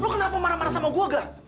lu kenapa marah marah sama gua gak